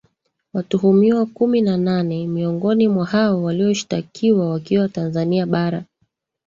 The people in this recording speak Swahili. Watuhumiwa kumi na nane miongoni mwa hao walioshitakiwa wakiwa Tanzania Bara